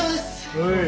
はい。